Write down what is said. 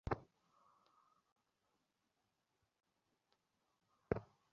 তখন ভাটপাড়ায় বিপ্রদাসের কুষ্ঠিগণনায় বেরোল, বিবাহস্থানীয় দুর্গ্রহের ভোগক্ষয় হতে দেরি আছে।